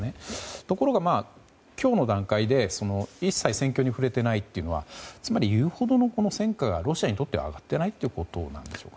ところが、今日の段階で、一切戦況に触れてないというのはつまりいうほどの戦果がロシアにとっては上がっていないということでしょうか。